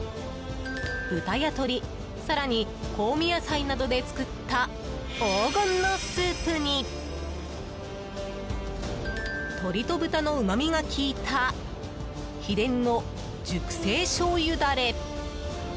豚や鶏、更に香味野菜などで作った黄金のスープに鶏と豚のうまみが効いた秘伝の熟成醤油ダレ。